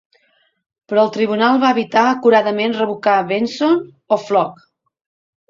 Però el tribunal va evitar acuradament revocar "Benson" o "Flook".